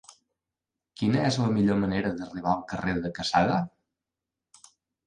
Quina és la millor manera d'arribar al carrer de Quesada?